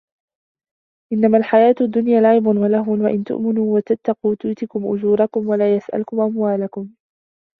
إِنَّمَا الحَياةُ الدُّنيا لَعِبٌ وَلَهوٌ وَإِن تُؤمِنوا وَتَتَّقوا يُؤتِكُم أُجورَكُم وَلا يَسأَلكُم أَموالَكُم